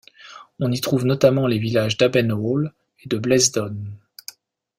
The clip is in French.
On y trouve notamment les villages d'Abenhall et de Blaisdon.